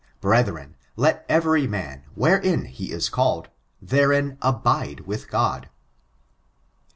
Brethren, let every man, wherein he is called, therein abide with God."